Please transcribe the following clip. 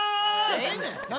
ええねん！